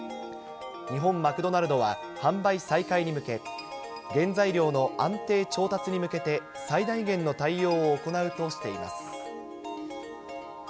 日本マクドナルドは、販売再開に向け、原材料の安定調達に向けて、最大限の対応を行うとしています。